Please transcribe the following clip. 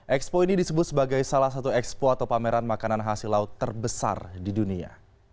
expo ini disebut sebagai salah satu expo atau pameran makanan hasil laut terbesar di dunia